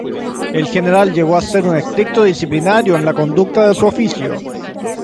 El general llegó a ser un estricto disciplinario en la conducta de su oficio.